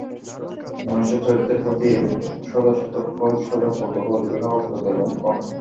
মনুষ্যচরিত্রের প্রতি এইরূপ সদাসতর্ক সজাগ কৌতূহল, ইহা ওস্তাদের লক্ষণ।